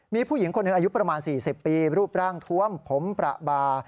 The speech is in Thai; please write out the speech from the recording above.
มีผู้หญิงคนหนึ่งอายุประมาณ๔๐ปีรูปร่างทวมผมประบา